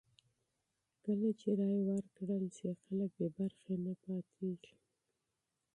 کله چې رایه ورکړل شي، خلک به بې برخې نه شي.